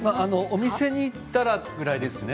お店に行ったらぐらいですね。